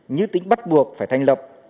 như tính bắt buộc phải thành lập